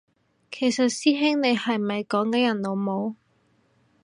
其實師兄你係咪溝緊人老母？